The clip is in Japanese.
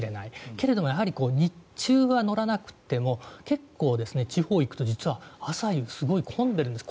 けれども、やはり日中は乗らなくても結構、地方へ行くと実は朝夕すごい混んでるんです。